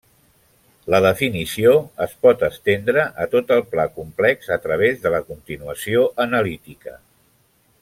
La definició es pot estendre a tot el pla complex a través continuació analítica.